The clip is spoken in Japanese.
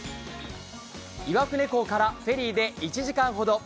岩船港からフェリーで１時間ほど。